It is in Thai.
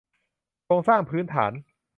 โครงสร้างพื้นฐาน